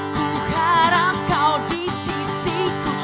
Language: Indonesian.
ku harap kau di sisi ku